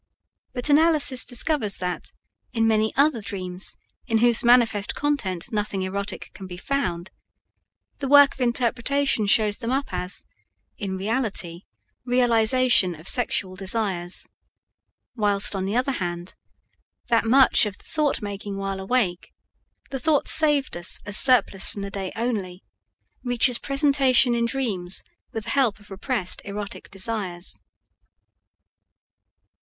But analysis discovers that, in many other dreams in whose manifest content nothing erotic can be found, the work of interpretation shows them up as, in reality, realization of sexual desires; whilst, on the other hand, that much of the thought making when awake, the thoughts saved us as surplus from the day only, reaches presentation in dreams with the help of repressed erotic desires.